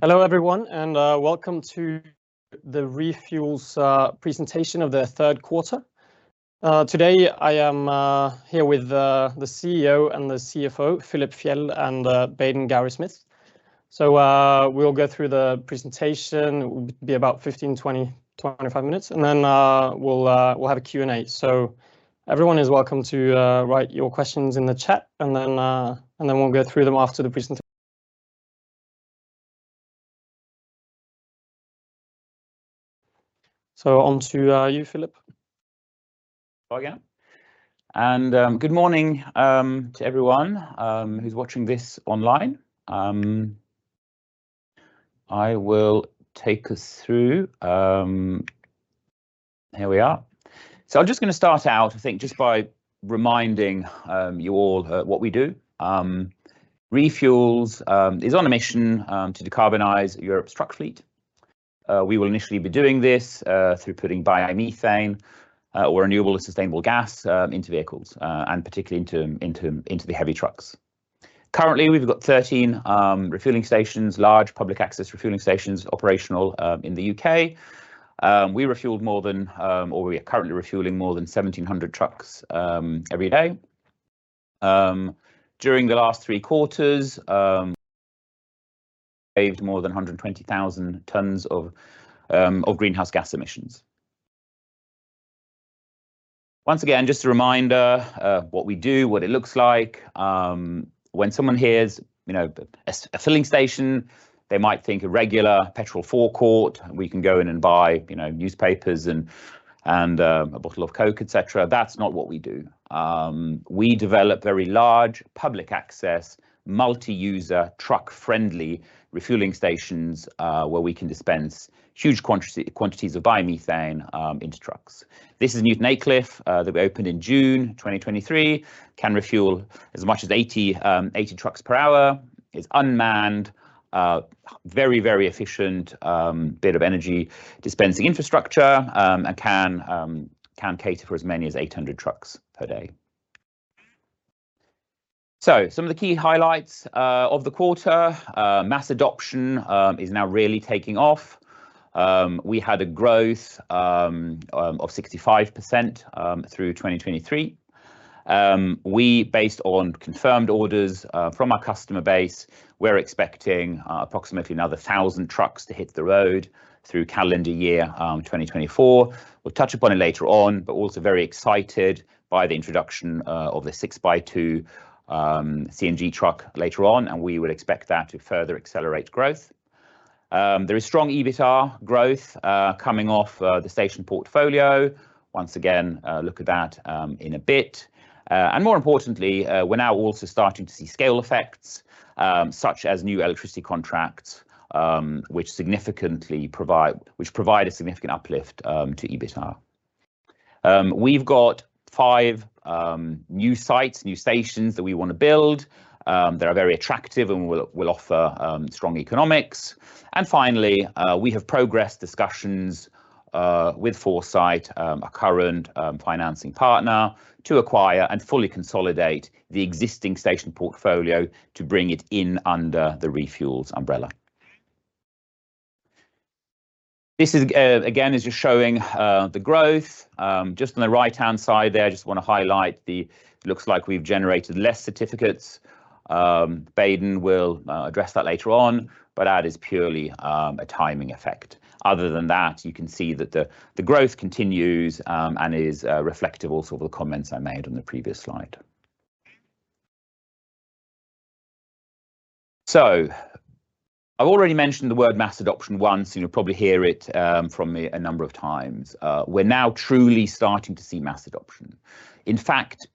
Hello, everyone, and welcome to the ReFuels presentation of the third quarter. Today I am here with the CEO and the CFO, Philip Fjeld and Baden Gowrie-Smith. So we'll go through the presentation. It will be about 15, 20, 25 minutes, and then we'll have a Q&A. So everyone is welcome to write your questions in the chat, and then we'll go through them after the presentation. So on to you, Philip. Okay. Good morning to everyone who's watching this online. I will take us through... Here we are. So I'm just gonna start out, I think, just by reminding you all what we do. ReFuels is on a mission to decarbonize Europe's truck fleet. We will initially be doing this through putting biomethane or renewable and sustainable gas into vehicles and particularly into the heavy trucks. Currently, we've got 13 refueling stations, large public access refueling stations, operational in the U.K. We refueled more than or we are currently refueling more than 1,700 trucks every day. During the last three quarters, saved more than 120,000 tons of greenhouse gas emissions. Once again, just a reminder of what we do, what it looks like. When someone hears, you know, a filling station, they might think a regular petrol forecourt, where you can go in and buy, you know, newspapers and a bottle of Coke, et cetera. That's not what we do. We develop very large public access, multi-user, truck-friendly refueling stations, where we can dispense huge quantities of biomethane into trucks. This is Newton Aycliffe that we opened in June 2023, can refuel as much as 80 trucks per hour. It's unmanned. Very, very efficient bit of energy dispensing infrastructure, and can cater for as many as 800 trucks per day. So some of the key highlights of the quarter, mass adoption is now really taking off. We had a growth of 65% through 2023. Based on confirmed orders from our customer base, we're expecting approximately another 1,000 trucks to hit the road through calendar year 2024. We'll touch upon it later on, but also very excited by the introduction of the 6x2 CNG truck later on, and we would expect that to further accelerate growth. There is strong EBITDA growth coming off the station portfolio. Once again, look at that in a bit. And more importantly, we're now also starting to see scale effects, such as new electricity contracts, which provide a significant uplift to EBITDA. We've got five new sites, new stations, that we wanna build that are very attractive and will offer strong economics. And finally, we have progressed discussions with Foresight, our current financing partner, to acquire and fully consolidate the existing station portfolio to bring it in under the ReFuels umbrella. This is again just showing the growth. Just on the right-hand side there, I just wanna highlight the... Looks like we've generated less certificates. Baden will address that later on, but that is purely a timing effect. Other than that, you can see that the growth continues and is reflective also of the comments I made on the previous slide. So I've already mentioned the word mass adoption once, and you'll probably hear it from me a number of times. We're now truly starting to see mass adoption. In fact,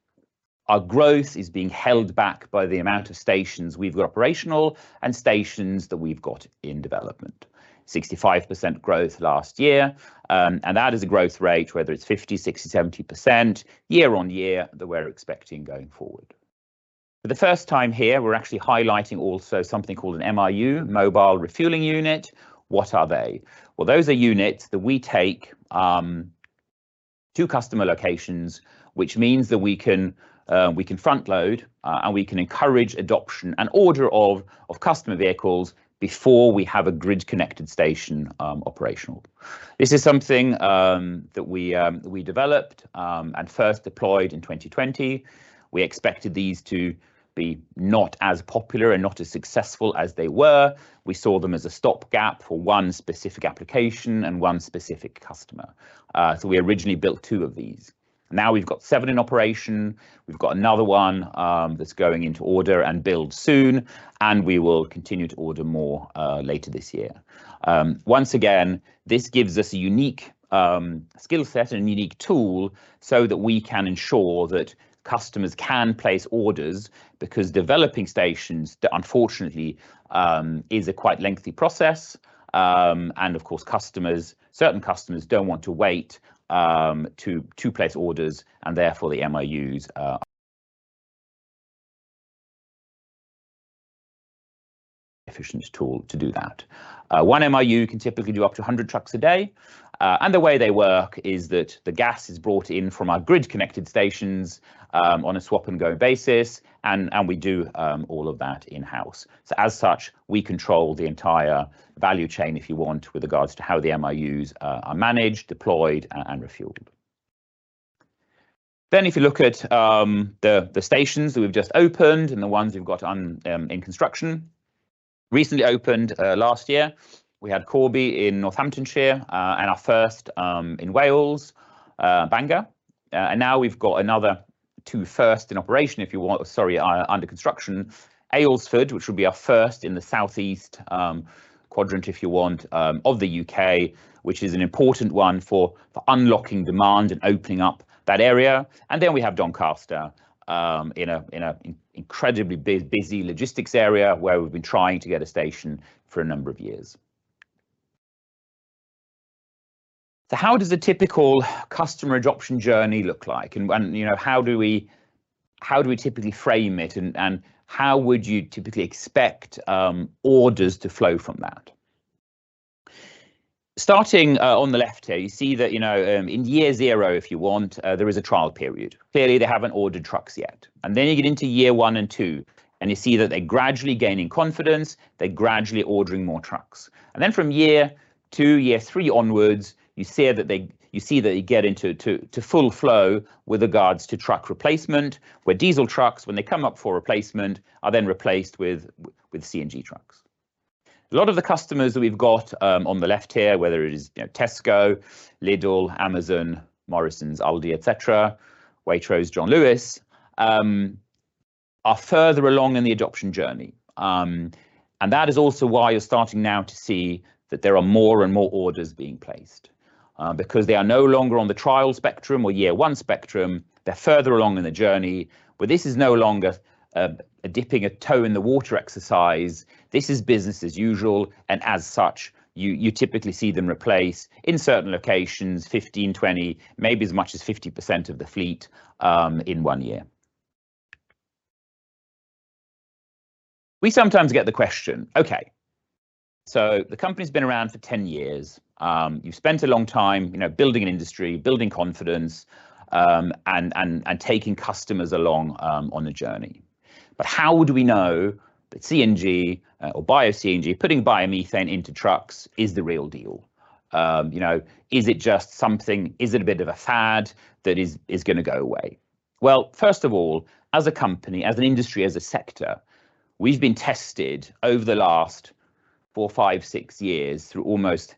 our growth is being held back by the amount of stations we've got operational and stations that we've got in development. 65% growth last year, and that is a growth rate, whether it's 50%, 60%, 70%, year-on-year, that we're expecting going forward. For the first time here, we're actually highlighting also something called an MRU, Mobile Refueling Unit. What are they? Well, those are units that we take to customer locations, which means that we can front-load, and we can encourage adoption and order of customer vehicles before we have a grid-connected station operational. This is something that we developed and first deployed in 2020. We expected these to be not as popular and not as successful as they were. We saw them as a stopgap for one specific application and one specific customer. So we originally built two of these. Now we've got seven in operation. We've got another one that's going into order and build soon, and we will continue to order more later this year. Once again, this gives us a unique skill set and a unique tool so that we can ensure that customers can place orders, because developing stations, unfortunately, is a quite lengthy process. And of course, customers, certain customers, don't want to wait to place orders, and therefore the MRUs are an efficient tool to do that. One MRU can typically do up to 100 trucks a day. And the way they work is that the gas is brought in from our grid-connected stations on a swap-and-go basis, and we do all of that in-house. So as such, we control the entire value chain, if you want, with regards to how the MRUs are managed, deployed, and refueled. Then, if you look at the stations that we've just opened and the ones we've got on in construction, recently opened last year, we had Corby in Northamptonshire and our first in Wales, Bangor. And now we've got another two first in operation, if you want. Sorry, under construction, Aylesford, which will be our first in the southeast quadrant, if you want, of the U.K., which is an important one for unlocking demand and opening up that area. And then we have Doncaster, in an incredibly busy logistics area, where we've been trying to get a station for a number of years. So how does a typical customer adoption journey look like? And, you know, how do we, how do we typically frame it, and, how would you typically expect orders to flow from that? Starting on the left here, you see that, you know, in year zero, if you want, there is a trial period. Clearly, they haven't ordered trucks yet. And then you get into year one and two, and you see that they're gradually gaining confidence. They're gradually ordering more trucks. And then from year two, year three onwards, you see that you get into full flow with regards to truck replacement, where diesel trucks, when they come up for replacement, are then replaced with CNG trucks. A lot of the customers that we've got, on the left here, whether it is, you know, Tesco, Lidl, Amazon, Morrisons, Aldi, et cetera, Waitrose, John Lewis, are further along in the adoption journey. And that is also why you're starting now to see that there are more and more orders being placed, because they are no longer on the trial spectrum or year-one spectrum. They're further along in the journey, where this is no longer a dipping a toe in the water exercise. This is business as usual, and as such, you typically see them replace, in certain locations, 15%, 20%, maybe as much as 50% of the fleet in one year. We sometimes get the question, "Okay, so the company's been around for 10 years. You've spent a long time, you know, building an industry, building confidence and taking customers along on the journey. But how do we know that CNG or Bio-CNG, putting biomethane into trucks, is the real deal? You know, is it just something... Is it a bit of a fad that is gonna go away?" Well, first of all, as a company, as an industry, as a sector, we've been tested over the last four, five, six years through almost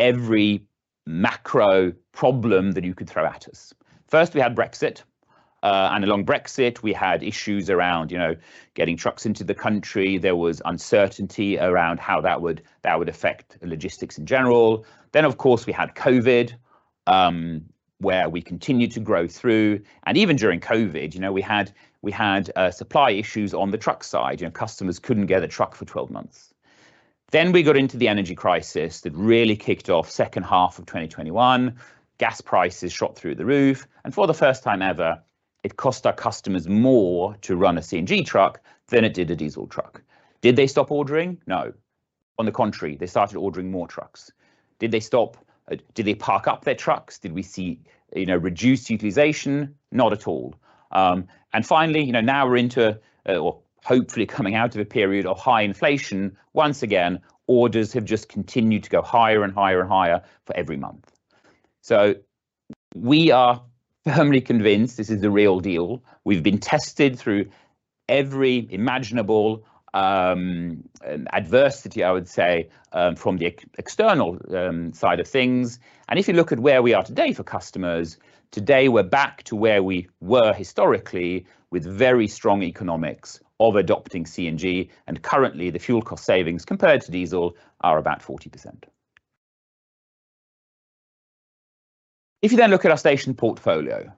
every macro problem that you could throw at us. First, we had Brexit, and along Brexit, we had issues around, you know, getting trucks into the country. There was uncertainty around how that would affect logistics in general. Then, of course, we had COVID, where we continued to grow through, and even during COVID, you know, we had supply issues on the truck side, you know, customers couldn't get a truck for 12 months. Then we got into the energy crisis that really kicked off second half of 2021. Gas prices shot through the roof, and for the first time ever, it cost our customers more to run a CNG truck than it did a diesel truck. Did they stop ordering? No. On the contrary, they started ordering more trucks. Did they stop... Did they park up their trucks? Did we see, you know, reduced utilization? Not at all. And finally, you know, now we're into, or hopefully coming out of a period of high inflation. Once again, orders have just continued to go higher and higher and higher for every month. So we are firmly convinced this is the real deal. We've been tested through every imaginable adversity, I would say, from the external side of things. And if you look at where we are today for customers, today we're back to where we were historically with very strong economics of adopting CNG, and currently, the fuel cost savings, compared to diesel, are about 40%. If you then look at our station portfolio,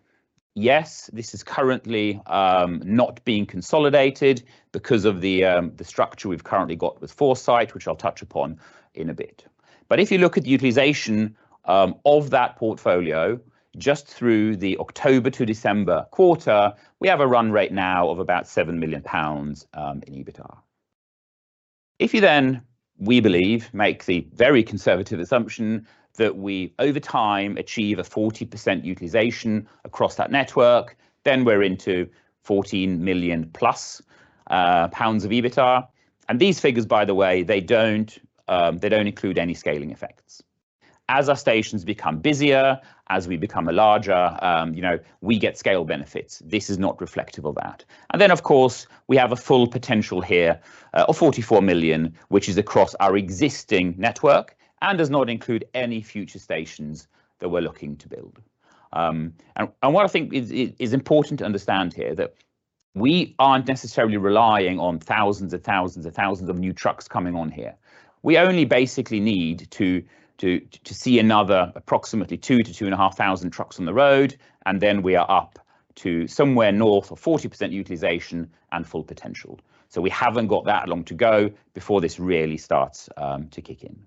yes, this is currently not being consolidated because of the structure we've currently got with Foresight, which I'll touch upon in a bit. But if you look at utilization of that portfolio, just through the October to December quarter, we have a run rate now of about 7 million pounds in EBITDA. If you then, we believe, make the very conservative assumption that we, over time, achieve a 40% utilization across that network, then we're into 14+ million pounds of EBITDA. And these figures, by the way, they don't, they don't include any scaling effects. As our stations become busier, as we become a larger, you know, we get scale benefits. This is not reflective of that. And then, of course, we have a full potential here of 44 million, which is across our existing network and does not include any future stations that we're looking to build. What I think is important to understand here is that we aren't necessarily relying on thousands and thousands and thousands of new trucks coming on here. We only basically need to see another approximately 2 thousand-2.5 thousand trucks on the road, and then we are up to somewhere north of 40% utilization and full potential. So we haven't got that long to go before this really starts to kick in.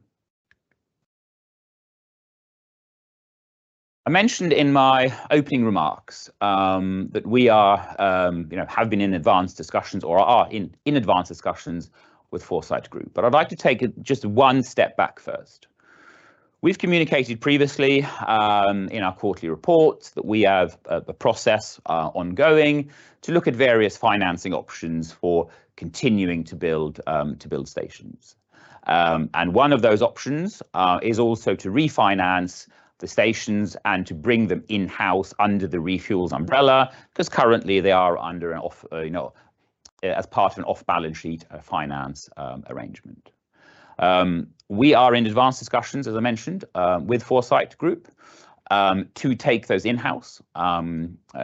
I mentioned in my opening remarks that we are, you know, have been in advanced discussions or are in advanced discussions with Foresight Group, but I'd like to take it just one step back first. We've communicated previously in our quarterly reports that we have a process ongoing to look at various financing options for continuing to build stations. One of those options is also to refinance the stations and to bring them in-house under the ReFuels umbrella, 'cause currently they are under an off- you know, as part of an off-balance sheet finance arrangement. We are in advanced discussions, as I mentioned, with Foresight Group, to take those in-house.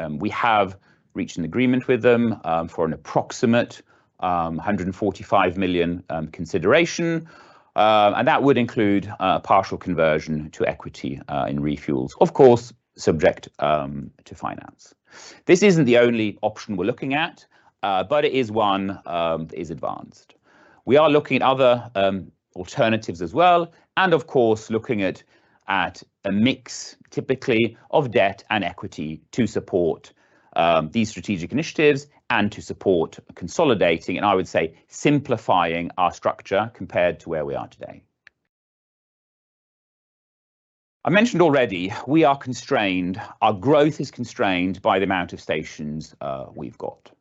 We have reached an agreement with them for an approximate 145 million consideration. And that would include partial conversion to equity in ReFuels, of course, subject to finance. This isn't the only option we're looking at, but it is one that is advanced. We are looking at other alternatives as well, and of course, looking at a mix, typically, of debt and equity to support these strategic initiatives and to support consolidating, and I would say, simplifying our structure compared to where we are today. I mentioned already, we are constrained, our growth is constrained by the amount of stations we've got.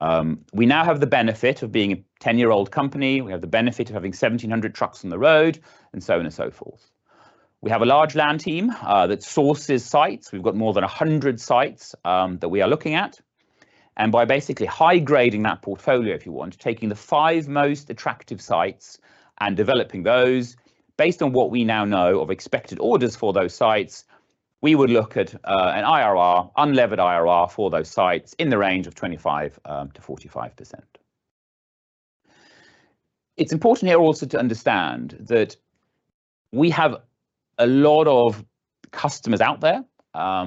We now have the benefit of being a 10-year-old company. We have the benefit of having 1,700 trucks on the road, and so on and so forth. We have a large land team that sources sites. We've got more than 100 sites that we are looking at. By basically high-grading that portfolio, if you want, taking the five most attractive sites and developing those, based on what we now know of expected orders for those sites, we would look at an IRR, unlevered IRR for those sites in the range of 25%-45%. It's important here also to understand that we have a lot of customers out there.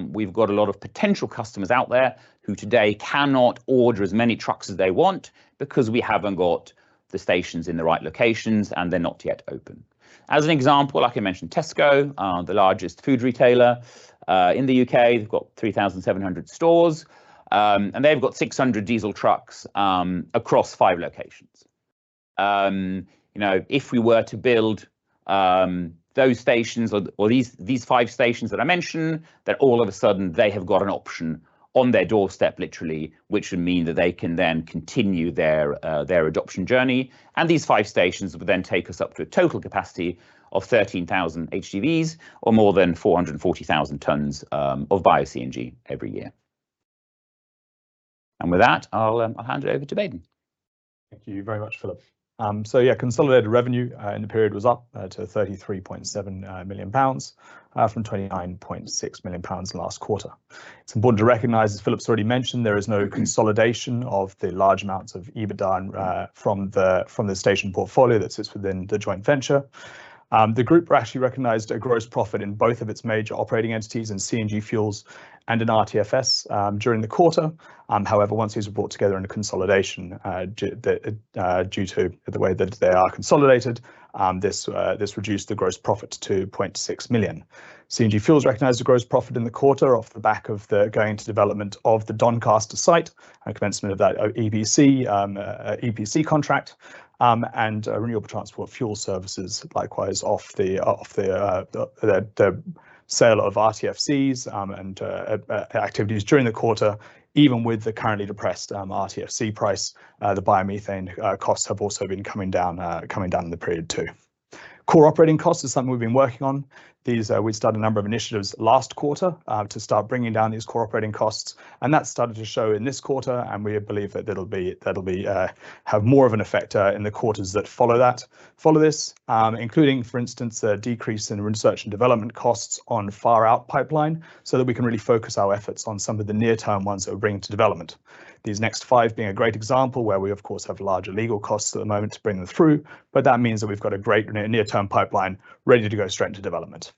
We've got a lot of potential customers out there, who today cannot order as many trucks as they want, because we haven't got the stations in the right locations, and they're not yet open. As an example, like I mentioned, Tesco, the largest food retailer in the U.K., they've got 3,700 stores. They've got 600 diesel trucks across five locations. You know, if we were to build those stations or these five stations that I mentioned, then all of a sudden, they have got an option on their doorstep, literally, which would mean that they can then continue their adoption journey. These five stations would then take us up to a total capacity of 13,000 HGVs, or more than 440,000 tons of Bio-CNG every year. With that, I'll hand it over to Baden. Thank you very much, Philip. So yeah, consolidated revenue in the period was up to 33.7 million pounds from 29.6 million pounds last quarter. It's important to recognize, as Philip's already mentioned, there is no consolidation of the large amounts of EBITDA from the station portfolio that sits within the joint venture. The group actually recognized a gross profit in both of its major operating entities in CNG Fuels and in RTFS during the quarter. However, once these were brought together in a consolidation, due to the way that they are consolidated, this reduced the gross profit to 2.6 million. CNG Fuels recognized the gross profit in the quarter off the back of the ongoing development of the Doncaster site, and commencement of that EPC contract, and Renewable Transport Fuel Services, likewise, off the sale of RTFCs and activities during the quarter, even with the currently depressed RTFC price, the biomethane costs have also been coming down in the period, too. Core operating costs is something we've been working on. These, we started a number of initiatives last quarter to start bringing down these core operating costs, and that started to show in this quarter, and we believe that that'll have more of an effect in the quarters that follow this. Including, for instance, a decrease in research and development costs on far-out pipeline, so that we can really focus our efforts on some of the near-term ones that we're bringing to development. These next five being a great example, where we, of course, have larger legal costs at the moment to bring them through, but that means that we've got a great near-term pipeline ready to go straight into development.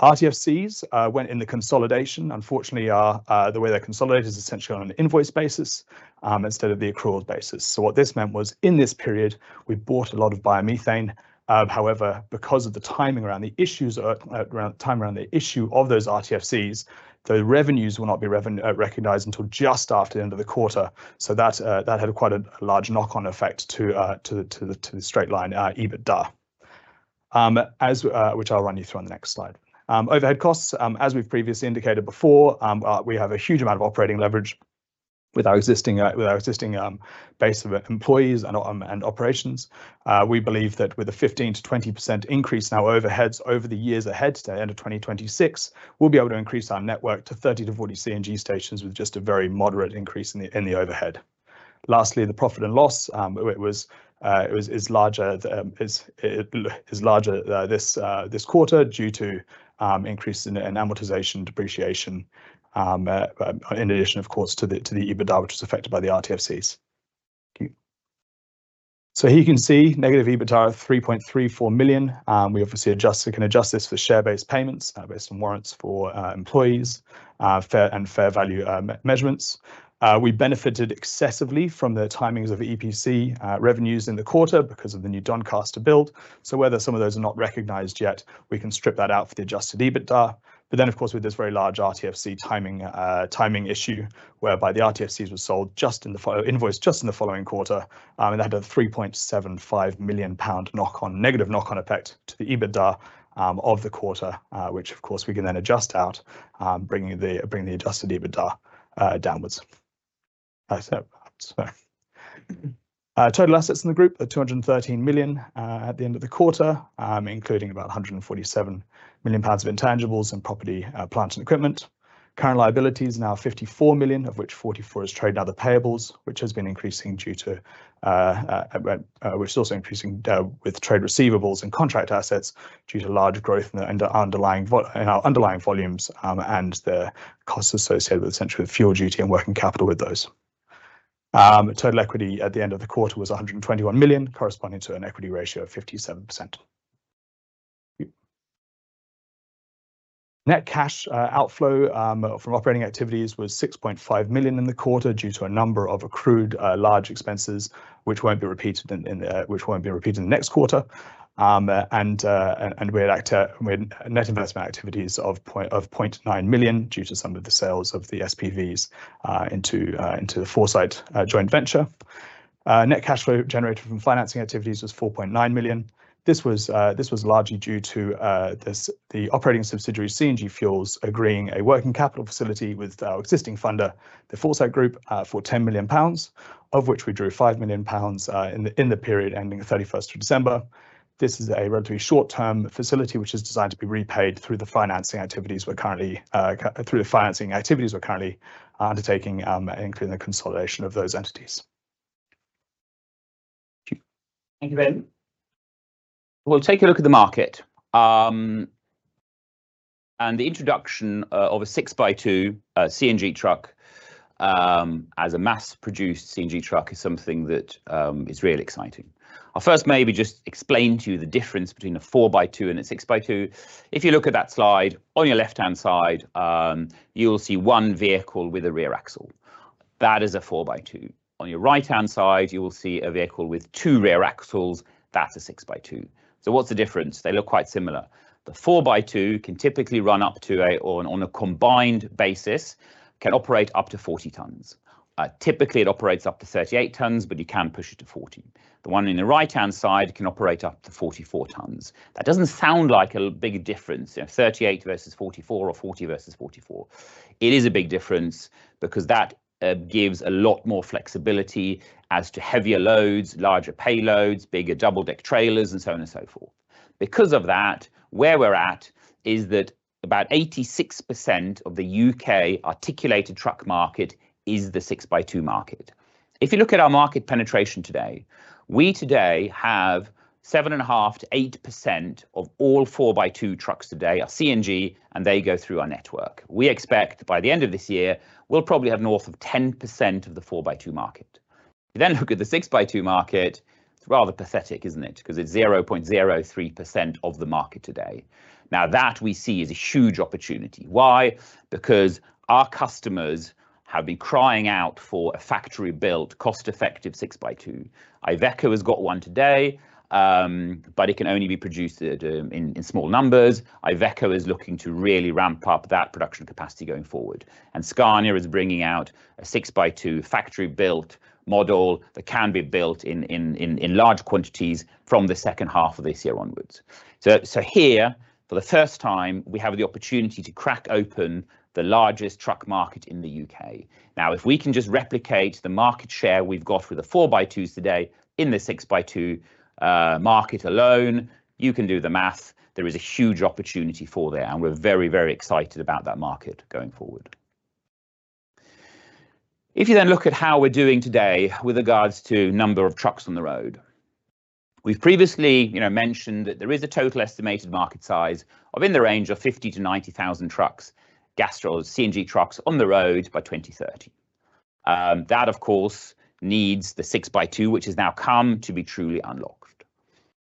RTFCs, when in the consolidation, unfortunately, the way they're consolidated is essentially on an invoice basis, instead of the accrual basis. So what this meant was, in this period, we bought a lot of biomethane. However, because of the timing around the issue of those RTFCs, the revenues will not be recognized until just after the end of the quarter. So that that had quite a large knock-on effect to the straight-line EBITDA, as which I'll run you through on the next slide. Overhead costs, as we've previously indicated before, we have a huge amount of operating leverage with our existing base of employees and operations. We believe that with a 15%-20% increase in our overheads over the years ahead to the end of 2026, we'll be able to increase our network to 30-40 CNG stations with just a very moderate increase in the overhead. Lastly, the profit and loss, it was, it was, is larger, it's, it, it is larger, this quarter due to, increase in, in amortization and depreciation, in addition, of course, to the, to the EBITDA, which was affected by the RTFCs. Thank you. So here you can see negative EBITDA, 3.34 million. We obviously adjust, we can adjust this for share-based payments, based on warrants for, employees, fair, and fair value, measurements. We benefited excessively from the timings of EPC, revenues in the quarter because of the new Doncaster build. So whether some of those are not recognized yet, we can strip that out for the adjusted EBITDA. But then, of course, with this very large RTFC timing issue, whereby the RTFCs were sold, invoiced just in the following quarter, and had a 3.75 million pound negative knock-on effect to the EBITDA of the quarter. Which of course, we can then adjust out, bringing the adjusted EBITDA downwards. So, total assets in the group are 213 million at the end of the quarter, including about 147 million pounds of intangibles and property, plant and equipment. Current liabilities are now 54 million, of which 44 million is trade and other payables, which has been increasing due to which is also increasing with trade receivables and contract assets due to large growth in the underlying volumes, and the costs associated with, essentially, with fuel duty and working capital with those. Total equity at the end of the quarter was 121 million, corresponding to an equity ratio of 57%. Net cash outflow from operating activities was 6.5 million in the quarter due to a number of accrued large expenses, which won't be repeated in the next quarter. We had net investment activities of 0.9 million due to some of the sales of the SPVs into the Foresight joint venture. Net cash flow generated from financing activities was 4.9 million. This was largely due to the operating subsidiary, CNG Fuels, agreeing a working capital facility with our existing funder, the Foresight Group, for 10 million pounds, of which we drew 5 million pounds in the period ending the December 31st. This is a relatively short-term facility, which is designed to be repaid through the financing activities we're currently undertaking, including the consolidation of those entities. Thank you. Thank you, Baden. We'll take a look at the market. And the introduction of a six-by-two CNG truck as a mass-produced CNG truck is something that is really exciting. I'll first maybe just explain to you the difference between a four-by-two and a six-by-two. If you look at that slide, on your left-hand side, you will see one vehicle with a rear axle. That is a four-by-two. On your right-hand side, you will see a vehicle with two rear axles. That's a six-by-two. So what's the difference? They look quite similar. The four-by-two can typically run up to, on a combined basis, can operate up to 40 tons. Typically, it operates up to 38 tons, but you can push it to 40. The one in the right-hand side can operate up to 44 tons. That doesn't sound like a big difference, you know, 38 versus 44 or 40 versus 44. It is a big difference because that, gives a lot more flexibility as to heavier loads, larger payloads, bigger double-deck trailers, and so on and so forth. Because of that, where we're at is that about 86% of the U.K. articulated truck market is the six-by-two market. If you look at our market penetration today, we today have 7.5%-8% of all four-by-two trucks today are CNG, and they go through our network. We expect by the end of this year, we'll probably have north of 10% of the four-by-two market. Then look at the six-by-two market, it's rather pathetic, isn't it? 'Cause it's 0.03% of the market today. Now, that we see as a huge opportunity. Why? Because our customers have been crying out for a factory-built, cost-effective 6x2. IVECO has got one today, but it can only be produced in small numbers. IVECO is looking to really ramp up that production capacity going forward. Scania is bringing out a 6x2 factory-built model that can be built in large quantities from the second half of this year onwards. So here, for the first time, we have the opportunity to crack open the largest truck market in the U.K. Now, if we can just replicate the market share we've got with the 4x2s today in the 6x2 market alone, you can do the math. There is a huge opportunity for there, and we're very, very excited about that market going forward. If you then look at how we're doing today with regards to number of trucks on the road, we've previously, you know, mentioned that there is a total estimated market size of in the range of 50,000-90,000 trucks, gas trucks, CNG trucks on the road by 2030. That, of course, needs the 6x2, which has now come to be truly unlocked.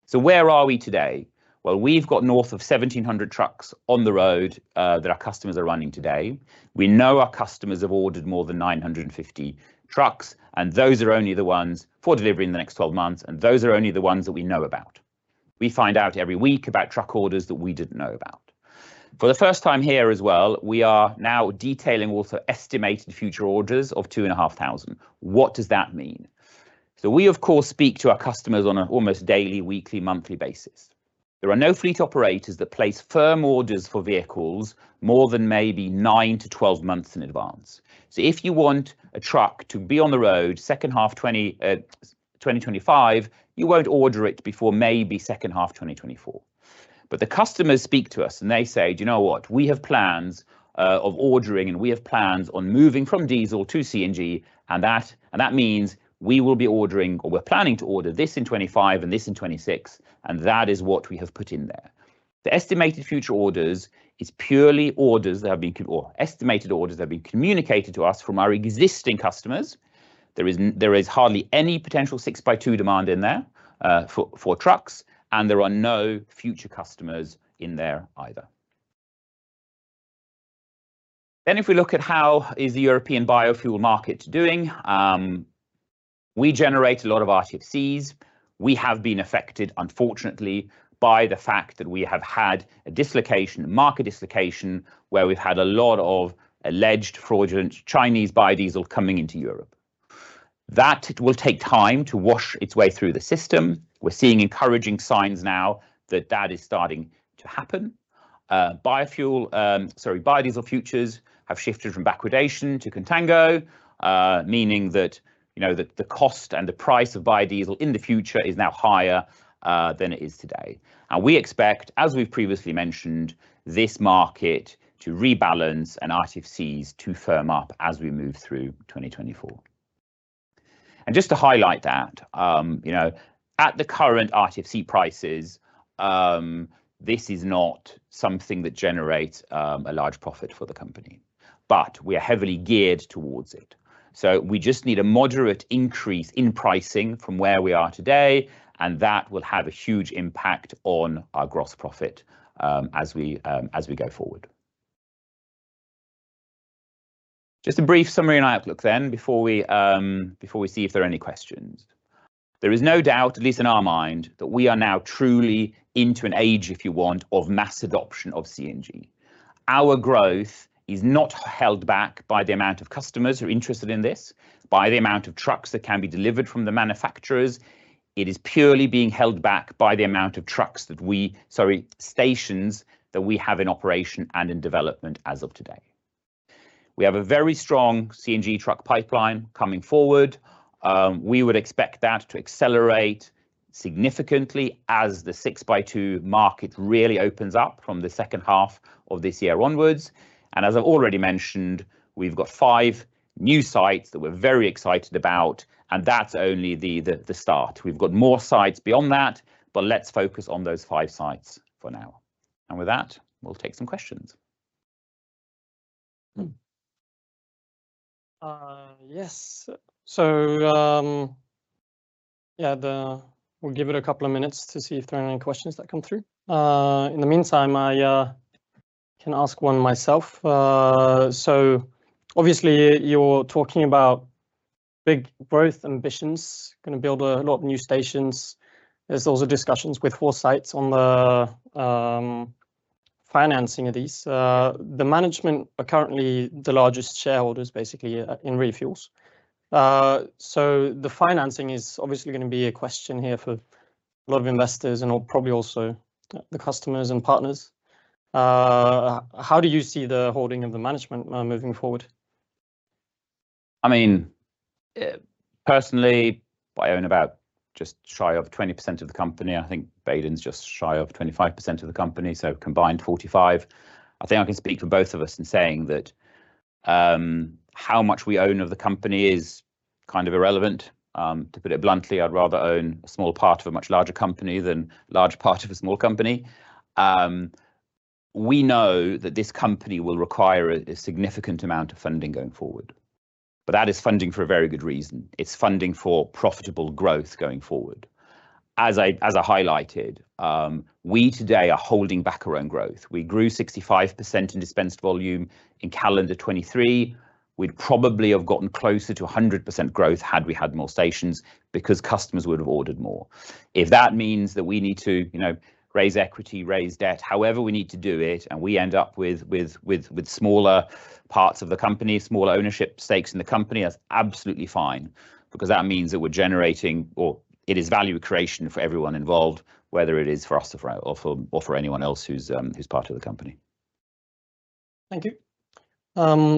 So where are we today? Well, we've got north of 1,700 trucks on the road that our customers are running today. We know our customers have ordered more than 950 trucks, and those are only the ones for delivery in the next 12 months, and those are only the ones that we know about. We find out every week about truck orders that we didn't know about. For the first time here as well, we are now detailing also estimated future orders of 2,500. What does that mean? So we, of course, speak to our customers on an almost daily, weekly, monthly basis. There are no fleet operators that place firm orders for vehicles more than maybe 9-12 months in advance. So if you want a truck to be on the road second half, 2025, you won't order it before maybe second half 2024. But the customers speak to us, and they say, "Do you know what? We have plans of ordering, and we have plans on moving from diesel to CNG, and that means we will be ordering or we're planning to order this in 2025 and this in 2026," and that is what we have put in there. The estimated future orders is purely orders that have been, or estimated orders that have been communicated to us from our existing customers. There is there is hardly any potential 6x2 demand in there for trucks, and there are no future customers in there either. Then if we look at how is the European biofuel market doing, we generate a lot of RTFCs. We have been affected, unfortunately, by the fact that we have had a dislocation, a market dislocation, where we've had a lot of alleged fraudulent Chinese biodiesel coming into Europe. That will take time to wash its way through the system. We're seeing encouraging signs now that that is starting to happen. Biofuel, sorry, biodiesel futures have shifted from backwardation to contango, meaning that, you know, that the cost and the price of biodiesel in the future is now higher than it is today. We expect, as we've previously mentioned, this market to rebalance and RTFCs to firm up as we move through 2024. Just to highlight that, you know, at the current RTFC prices, this is not something that generates a large profit for the company, but we are heavily geared towards it. So we just need a moderate increase in pricing from where we are today, and that will have a huge impact on our gross profit, as we, as we go forward. Just a brief summary and outlook then before we, before we see if there are any questions. There is no doubt, at least in our mind, that we are now truly into an age, if you want, of mass adoption of CNG. Our growth is not held back by the amount of customers who are interested in this, by the amount of trucks that can be delivered from the manufacturers. It is purely being held back by the amount of trucks that we... sorry, stations that we have in operation and in development as of today. We have a very strong CNG truck pipeline coming forward. We would expect that to accelerate significantly as the six-by-two market really opens up from the second half of this year onwards. And as I've already mentioned, we've got five new sites that we're very excited about, and that's only the start. We've got more sites beyond that, but let's focus on those five sites for now. With that, we'll take some questions. Hmm. Yes. So, we'll give it a couple of minutes to see if there are any questions that come through. In the meantime, I can ask one myself. So obviously, you're talking about big growth ambitions, gonna build a lot of new stations. There's also discussions with Foresight on the financing of these. The management are currently the largest shareholders, basically, in ReFuels. So the financing is obviously gonna be a question here for a lot of investors, and probably also the customers and partners. How do you see the holding of the management moving forward? I mean, personally, I own about just shy of 20% of the company. I think Baden's just shy of 25% of the company, so combined, 45%. I think I can speak for both of us in saying that, how much we own of the company is kind of irrelevant. To put it bluntly, I'd rather own a small part of a much larger company than a large part of a small company. We know that this company will require a significant amount of funding going forward, but that is funding for a very good reason. It's funding for profitable growth going forward. As I highlighted, we today are holding back our own growth. We grew 65% in dispensed volume in calendar 2023. We'd probably have gotten closer to 100% growth had we had more stations, because customers would have ordered more. If that means that we need to, you know, raise equity, raise debt, however we need to do it, and we end up with smaller parts of the company, smaller ownership stakes in the company, that's absolutely fine, because that means that we're generating or it is value creation for everyone involved, whether it is for us or for anyone else who's part of the company. Thank you.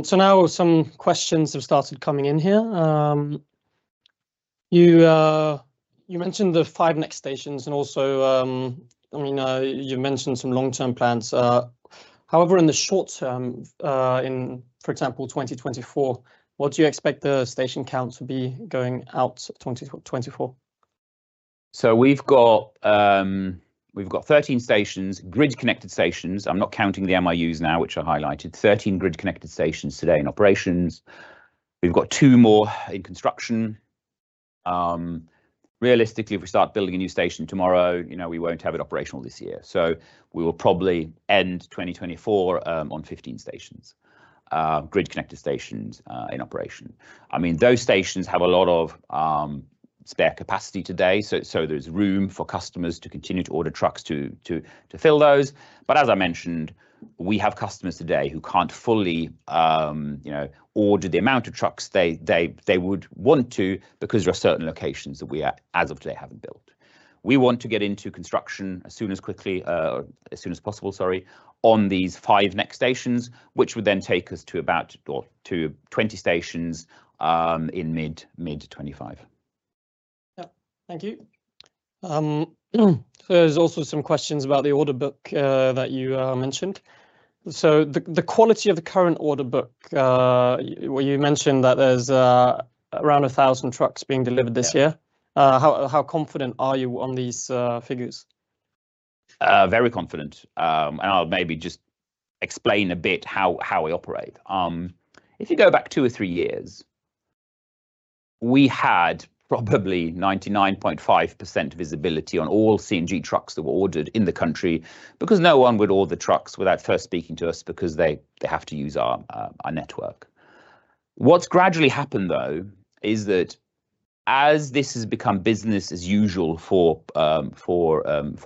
So now some questions have started coming in here. You, you mentioned the five next stations, and also, I mean, you mentioned some long-term plans. However, in the short term, in, for example, 2024, what do you expect the station count to be going out 2024? So we've got, we've got 13 stations, grid-connected stations. I'm not counting the MRUs now, which I highlighted. 13 grid-connected stations today in operations. We've got two more in construction. Realistically, if we start building a new station tomorrow, you know, we won't have it operational this year. So we will probably end 2024 on 15 stations, grid-connected stations, in operation. I mean, those stations have a lot of spare capacity today, so there's room for customers to continue to order trucks to fill those. But as I mentioned, we have customers today who can't fully, you know, order the amount of trucks they would want to because there are certain locations that we as of today, haven't built. We want to get into construction as soon as possible on these five next stations, which would then take us to about or to 20 stations in mid-2025. Yeah. Thank you. There's also some questions about the order book that you mentioned. So the quality of the current order book, well, you mentioned that there's around 1,000 trucks being delivered this year. Yeah. How confident are you on these figures? Very confident. And I'll maybe just explain a bit how we operate. If you go back two or three years, we had probably 99.5% visibility on all CNG trucks that were ordered in the country, because no one would order trucks without first speaking to us, because they have to use our network. What's gradually happened, though, is that as this has become business as usual for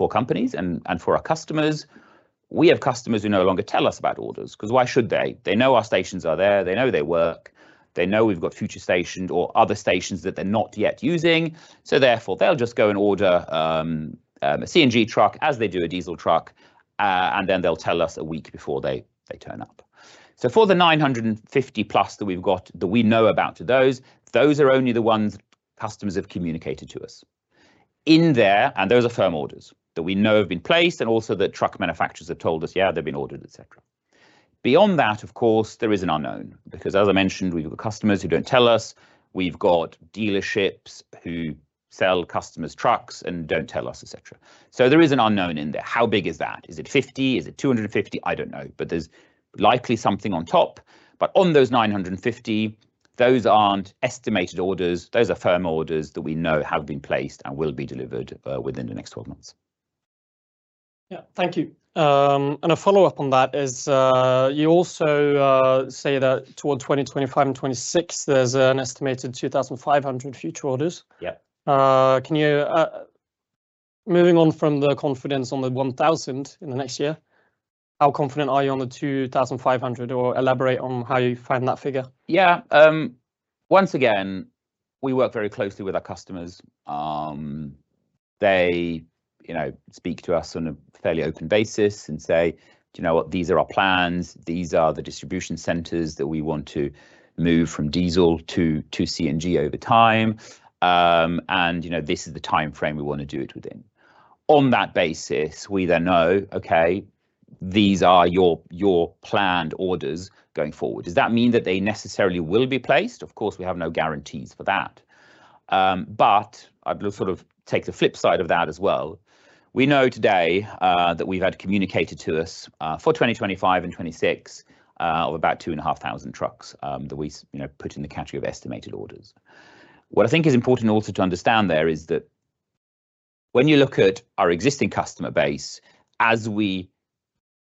companies and for our customers, we have customers who no longer tell us about orders, 'cause why should they? They know our stations are there, they know they work, they know we've got future stations or other stations that they're not yet using, so therefore they'll just go and order a CNG truck as they do a diesel truck, and then they'll tell us a week before they turn up. So for the 950+ that we've got, that we know about, those are only the ones customers have communicated to us. In there... And those are firm orders that we know have been placed, and also that truck manufacturers have told us, "Yeah, they've been ordered," et cetera. Beyond that, of course, there is an unknown, because as I mentioned, we've got customers who don't tell us. We've got dealerships who sell customers trucks and don't tell us, et cetera. So there is an unknown in there. How big is that? Is it 50? Is it 250? I don't know, but there's likely something on top. But on those 950, those aren't estimated orders, those are firm orders that we know have been placed and will be delivered within the next 12 months. Yeah, thank you. A follow-up on that is, you also say that towards 2025 and 2026, there's an estimated 2,500 future orders. Yeah. Moving on from the confidence on the 1,000 in the next year, how confident are you on the 2,500, or elaborate on how you found that figure? Yeah. Once again, we work very closely with our customers. They, you know, speak to us on a fairly open basis and say, "Do you know what? These are our plans. These are the distribution centers that we want to move from diesel to CNG over time, and, you know, this is the timeframe we want to do it within." On that basis, we then know, okay, these are your planned orders going forward. Does that mean that they necessarily will be placed? Of course, we have no guarantees for that. But I'd look, sort of take the flip side of that as well. We know today that we've had communicated to us for 2025 and 2026 of about 2,500 trucks that we, you know, put in the category of estimated orders. What I think is important also to understand there is that when you look at our existing customer base, as we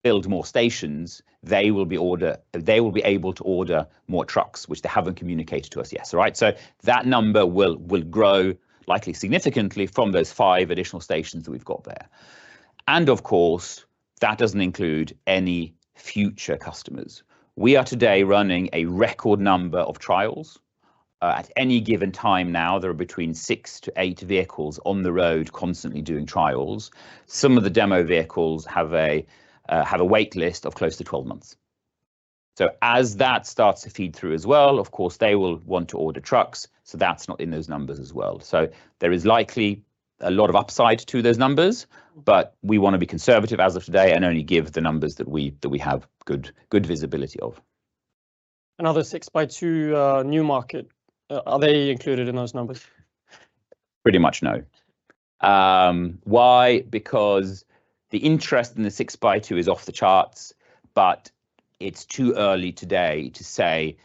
build more stations, they will be order- they will be able to order more trucks, which they haven't communicated to us yet, so, right? So that number will, will grow likely significantly from those five additional stations that we've got there. And of course, that doesn't include any future customers. We are today running a record number of trials. At any given time now, there are between six-eight vehicles on the road constantly doing trials. Some of the demo vehicles have a wait list of close to 12 months. So as that starts to feed through as well, of course, they will want to order trucks, so that's not in those numbers as well. So there is likely a lot of upside to those numbers, but we wanna be conservative as of today and only give the numbers that we have good visibility of. Another 6x2, new market, are they included in those numbers? Pretty much no. Why? Because the interest in the 6x2 is off the charts, but it's too early today to say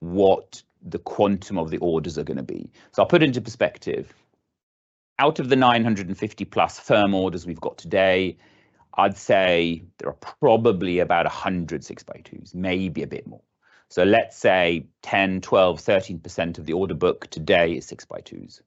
what the quantum of the orders are gonna be. So I'll put it into perspective. Out of the 950+ firm orders we've got today, I'd say there are probably about 100 6x2s, maybe a bit more. So let's say 10%, 12%, 13% of the order book today is 6x2s.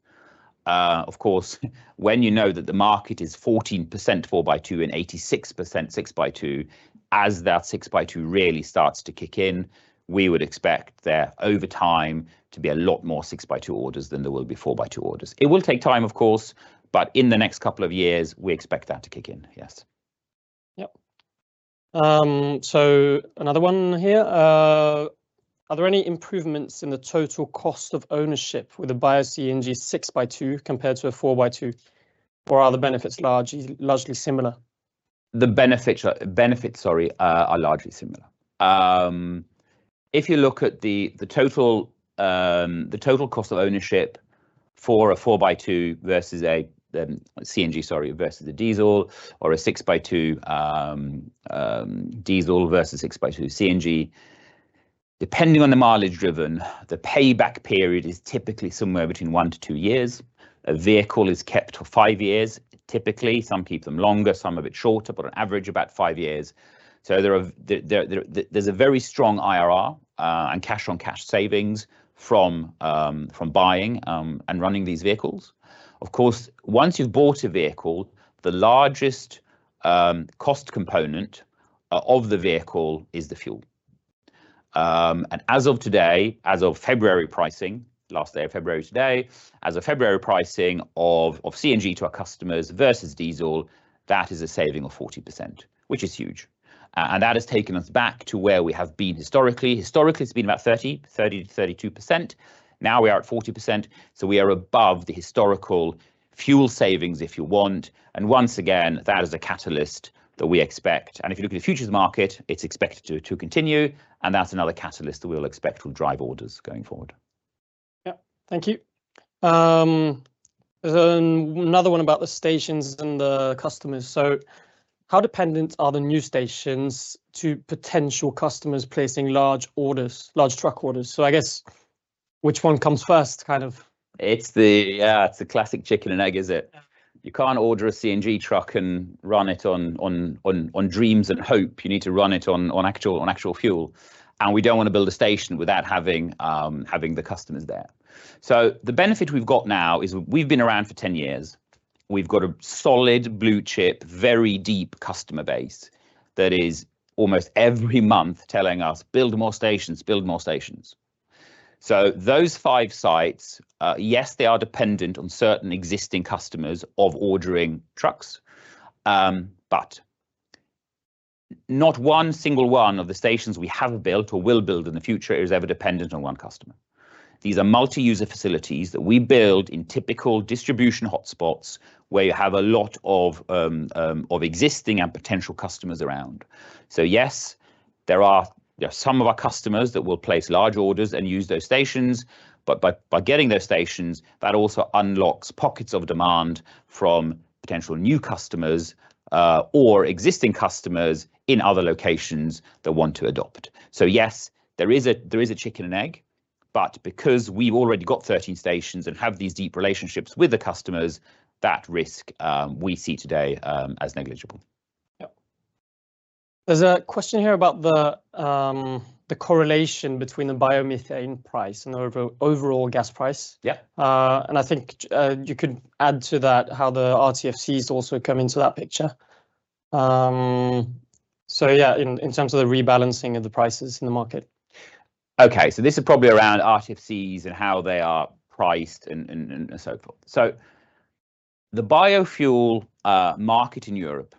Of course, when you know that the market is 14% 4x2 and 86% 6x2, as that 6x2 really starts to kick in, we would expect there, over time, to be a lot more 6x2 orders than there will be 4x2 orders. It will take time, of course, but in the next couple of years, we expect that to kick in. Yes. Yep. So another one here, are there any improvements in the total cost of ownership with a Bio-CNG 6x2 compared to a 4x2, or are the benefits large, largely similar? The benefits, sorry, are largely similar. If you look at the total cost of ownership for a 4x2 versus a CNG, sorry, versus a diesel, or a 6x2, diesel versus 6x2 CNG, depending on the mileage driven, the payback period is typically somewhere between one-two years. A vehicle is kept for five years, typically. Some keep them longer, some a bit shorter, but on average, about five years. So there is a very strong IRR and cash-on-cash savings from buying and running these vehicles. Of course, once you've bought a vehicle, the largest cost component of the vehicle is the fuel. As of today, as of February pricing, last day of February, today, as of February pricing of CNG to our customers versus diesel, that is a saving of 40%, which is huge. And that has taken us back to where we have been historically. Historically, it's been about 30%, 30%-32%. Now we are at 40%, so we are above the historical fuel savings, if you want. And once again, that is a catalyst that we expect. And if you look at the futures market, it's expected to continue, and that's another catalyst that we'll expect will drive orders going forward.... Yep, thank you. There's another one about the stations and the customers. So how dependent are the new stations to potential customers placing large orders, large truck orders? So I guess, which one comes first, kind of? It's the, it's the classic chicken and egg, is it? Yeah. You can't order a CNG truck and run it on dreams and hope. You need to run it on actual fuel, and we don't wanna build a station without having the customers there. So the benefit we've got now is we've been around for 10 years. We've got a solid, blue chip, very deep customer base that is almost every month telling us, "Build more stations, build more stations." So those five sites, yes, they are dependent on certain existing customers ordering trucks. But not one single one of the stations we have built or will build in the future is ever dependent on one customer. These are multi-user facilities that we build in typical distribution hotspots, where you have a lot of existing and potential customers around. So yes, there are some of our customers that will place large orders and use those stations, but by getting those stations, that also unlocks pockets of demand from potential new customers, or existing customers in other locations that want to adopt. So yes, there is a chicken and egg, but because we've already got 13 stations and have these deep relationships with the customers, that risk we see today as negligible. Yep. There's a question here about the correlation between the biomethane price and the overall gas price. Yeah. And I think you could add to that how the RTFCs also come into that picture. So yeah, in terms of the rebalancing of the prices in the market. Okay, so this is probably around RTFCs and how they are priced and so forth. So the biofuel market in Europe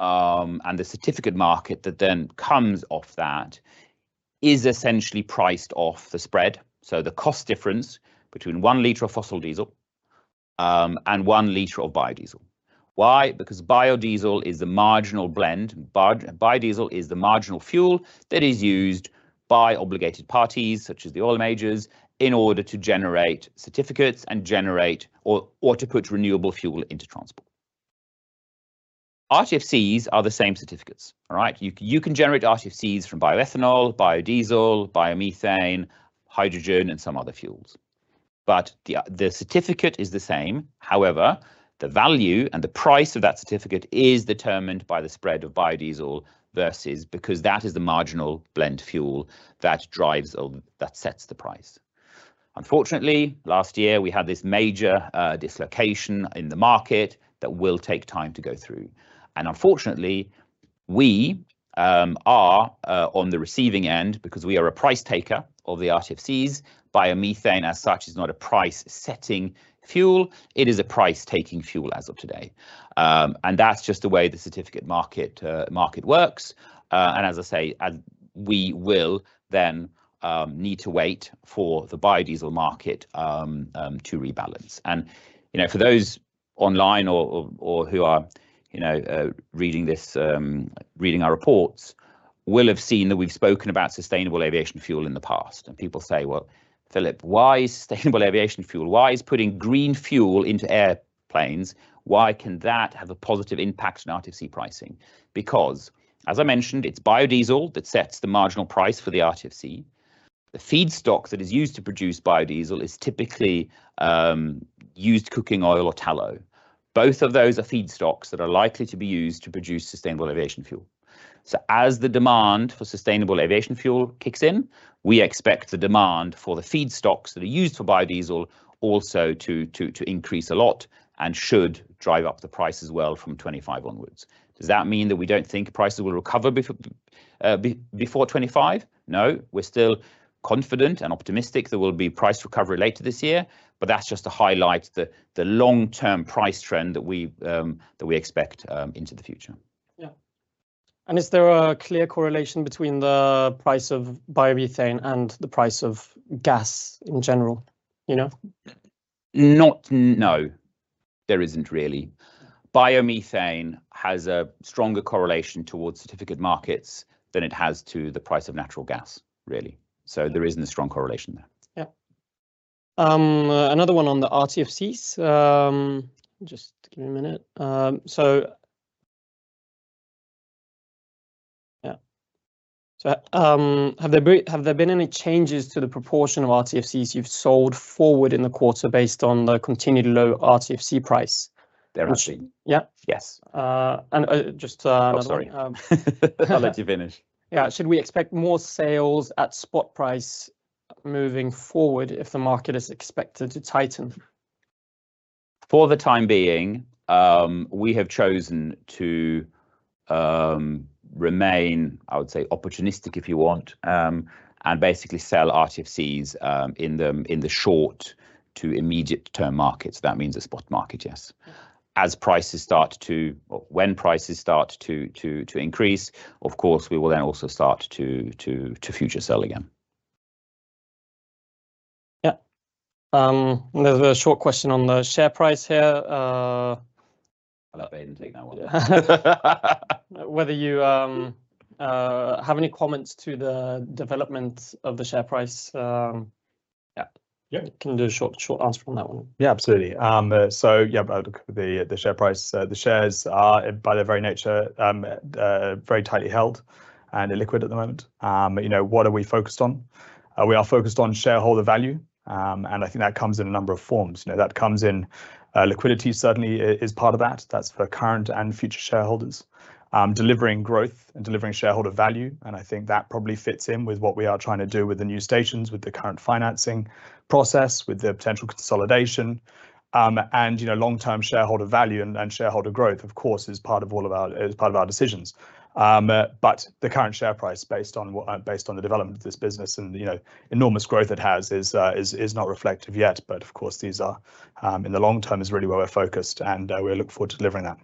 and the certificate market that then comes off that is essentially priced off the spread, so the cost difference between one liter of fossil diesel and one liter of biodiesel. Why? Because biodiesel is the marginal blend, biodiesel is the marginal fuel that is used by obligated parties, such as the oil majors, in order to generate certificates and generate or to put renewable fuel into transport. RTFCs are the same certificates. All right? You can generate RTFCs from bioethanol, biodiesel, biomethane, hydrogen, and some other fuels, but the certificate is the same. However, the value and the price of that certificate is determined by the spread of biodiesel versus—because that is the marginal blend fuel that drives or that sets the price. Unfortunately, last year we had this major dislocation in the market that will take time to go through, and unfortunately, we are on the receiving end because we are a price taker of the RTFCs. Biomethane, as such, is not a price-setting fuel, it is a price-taking fuel, as of today. And that's just the way the certificate market market works. And as I say, we will then need to wait for the biodiesel market to rebalance. You know, for those online or who are, you know, reading this, reading our reports, will have seen that we've spoken about sustainable aviation fuel in the past. People say, "Well, Philip, why sustainable aviation fuel? Why is putting green fuel into airplanes, why can that have a positive impact on RTFC pricing?" Because, as I mentioned, it's biodiesel that sets the marginal price for the RTFC. The feedstock that is used to produce biodiesel is typically used cooking oil or tallow. Both of those are feedstocks that are likely to be used to produce sustainable aviation fuel. So as the demand for sustainable aviation fuel kicks in, we expect the demand for the feedstocks that are used for biodiesel also to increase a lot and should drive up the price as well from 2025 onwards. Does that mean that we don't think prices will recover before 2025? No, we're still confident and optimistic there will be price recovery later this year, but that's just to highlight the long-term price trend that we expect into the future. Yeah. Is there a clear correlation between the price of biomethane and the price of gas in general, you know? No, there isn't really. Yeah. Biomethane has a stronger correlation towards certificate markets than it has to the price of natural gas, really. Yeah. There isn't a strong correlation there. Yep. Another one on the RTFCs. Just give me a minute. So, yeah. So, have there been any changes to the proportion of RTFCs you've sold forward in the quarter based on the continued low RTFC price? There has been. Yeah. Yes. Uh, and, uh, just, uh- Oh, sorry. I'll let you finish. Yeah. Should we expect more sales at spot price moving forward if the market is expected to tighten? For the time being, we have chosen to remain, I would say, opportunistic, if you want, and basically sell RTFCs in the short to immediate term markets. That means the spot market, yes. Yeah. As prices start to, or when prices start to increase, of course, we will then also start to future sell again. Yeah. There's a short question on the share price here.... I'll let Baden take that one. Whether you have any comments to the development of the share price? Yeah. You can do a short, short answer on that one. Yeah, absolutely. So yeah, the, the share price, the shares are, by their very nature, very tightly held and illiquid at the moment. You know, what are we focused on? We are focused on shareholder value. And I think that comes in a number of forms. You know, that comes in, liquidity certainly is part of that. That's for current and future shareholders. Delivering growth and delivering shareholder value, and I think that probably fits in with what we are trying to do with the new stations, with the current financing process, with the potential consolidation. And, you know, long-term shareholder value and, and shareholder growth, of course, is part of all of our- is part of our decisions. But the current share price, based on the development of this business and, you know, enormous growth it has, is not reflective yet. But, of course, these are, in the long term, is really where we're focused, and we look forward to delivering that.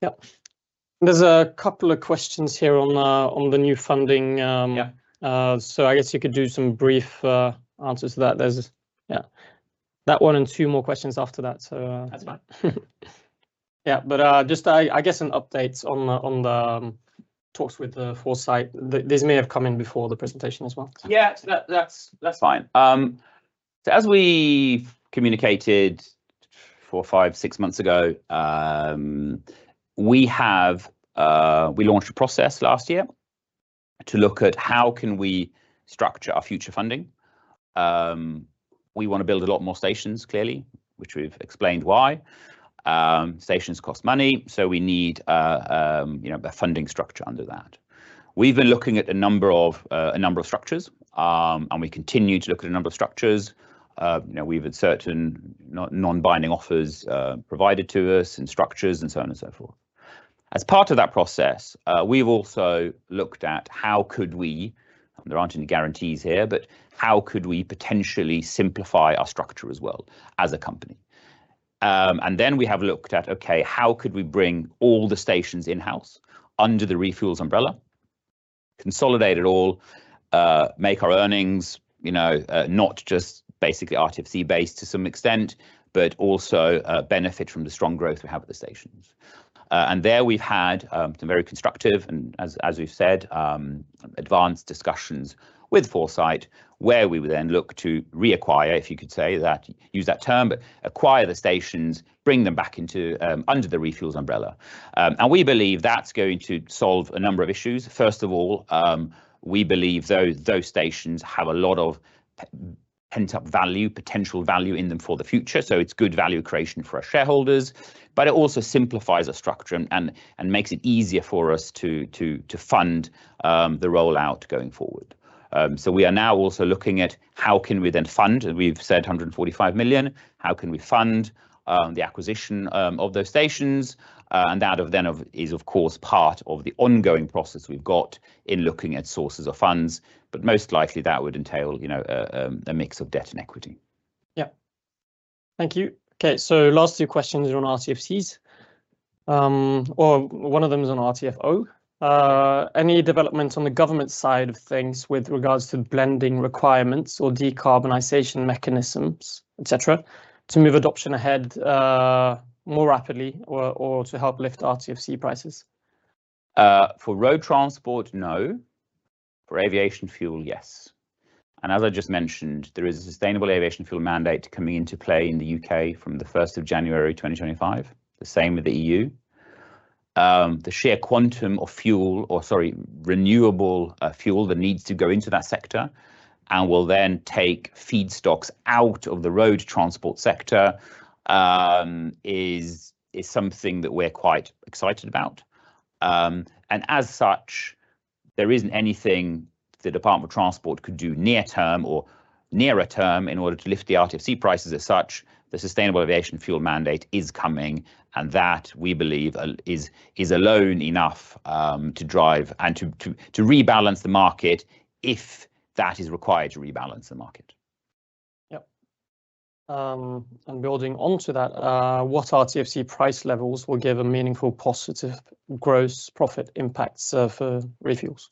Yeah. There's a couple of questions here on the new funding, Yeah... so I guess you could do some brief answers to that. There's... Yeah, that one and two more questions after that, so, That's fine. Yeah, but just, I guess some updates on the talks with the Foresight. This may have come in before the presentation as well. Yeah, that's fine. So as we communicated four, five, six months ago, we have. We launched a process last year to look at how can we structure our future funding. We want to build a lot more stations, clearly, which we've explained why. Stations cost money, so we need, you know, a funding structure under that. We've been looking at a number of structures, and we continue to look at a number of structures. You know, we've had certain non-binding offers provided to us, and structures, and so on and so forth. As part of that process, we've also looked at how could we, and there aren't any guarantees here, but how could we potentially simplify our structure as well, as a company? And then we have looked at how we could bring all the stations in-house under the ReFuels umbrella, consolidate it all, make our earnings, you know, not just basically RTFC-based to some extent, but also benefit from the strong growth we have at the stations. And there we've had some very constructive and, as we've said, advanced discussions with Foresight, where we would then look to reacquire, if you could say that, use that term, but acquire the stations, bring them back into under the ReFuels umbrella. And we believe that's going to solve a number of issues. First of all, we believe those stations have a lot of pent-up value, potential value in them for the future, so it's good value creation for our shareholders. But it also simplifies the structure and makes it easier for us to fund the rollout going forward. So we are now also looking at how can we then fund, we've said 145 million, how can we fund the acquisition of those stations? And that is, of course, part of the ongoing process we've got in looking at sources of funds, but most likely that would entail, you know, a mix of debt and equity. Yeah. Thank you. Okay, so last two questions are on RTFCs. Or one of them is on RTFO. Any developments on the government side of things with regards to blending requirements or decarbonization mechanisms, et cetera, et cetera, to move adoption ahead more rapidly or to help lift RTFC prices? For road transport, no. For aviation fuel, yes. And as I just mentioned, there is a sustainable aviation fuel mandate coming into play in the U.K. from the January 1st,2025. The same with the E.U. The sheer quantum of fuel, or sorry, renewable, fuel that needs to go into that sector and will then take feedstocks out of the road transport sector, is something that we're quite excited about. And as such, there isn't anything the Department of Transport could do near term or nearer term in order to lift the RTFC prices as such. The sustainable aviation fuel mandate is coming, and that, we believe, is alone enough to drive and to rebalance the market, if that is required to rebalance the market. Yep. And building onto that, what RTFC price levels will give a meaningful positive gross profit impact for ReFuels?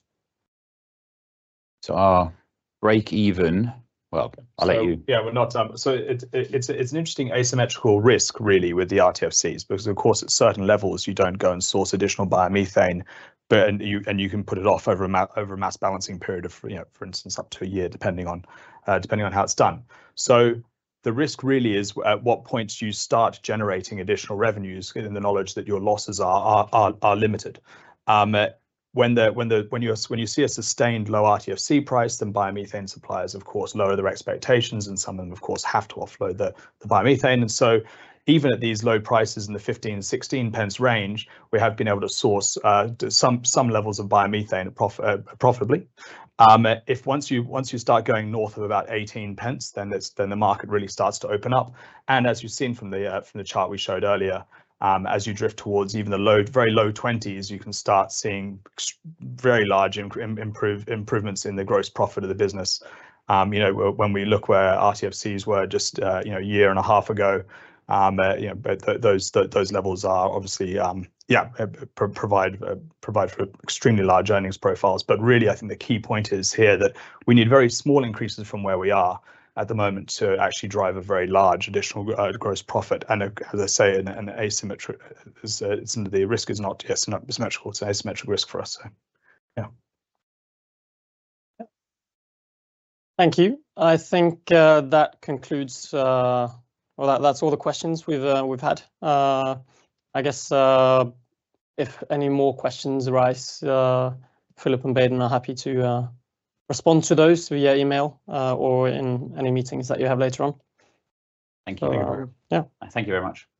So our break even... Well, I'll let you- So, yeah, we're not... So it's an interesting asymmetrical risk, really, with the RTFCs, because of course, at certain levels, you don't go and source additional biomethane, but and you can put it off over a mass balancing period of, you know, for instance, up to a year, depending on, depending on how it's done. So the risk really is, at what point do you start generating additional revenues in the knowledge that your losses are limited? When you see a sustained low RTFC price, then biomethane suppliers, of course, lower their expectations, and some of them, of course, have to offload the biomethane. And so even at these low prices in the 15-16 pence range, we have been able to source some levels of biomethane profitably. If once you start going north of about 18 pence, then the market really starts to open up. And as you've seen from the chart we showed earlier, as you drift towards even the low, very low 20s, you can start seeing very large improvements in the gross profit of the business. You know, when we look where RTFCs were just a year and a half ago, you know, those levels are obviously yeah, provide for extremely large earnings profiles. But really, I think the key point is here that we need very small increases from where we are at the moment to actually drive a very large additional gross profit. And, as I say, some of the risk is not symmetrical, it's an asymmetrical risk for us. So, yeah. Yeah. Thank you. I think that concludes... Well, that's all the questions we've had. I guess if any more questions arise, Philip and Baden are happy to respond to those via email or in any meetings that you have later on. Thank you. Uh, yeah. Thank you very much. Thank you.